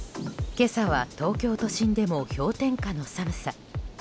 今朝は東京都心でも氷点下の寒さ。